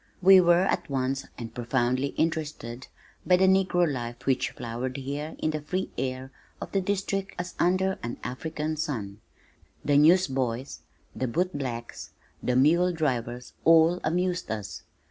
We were at once and profoundly interested by the negro life which flowered here in the free air of the District as under an African sun; the newsboys, the bootblacks, the muledrivers, all amused us.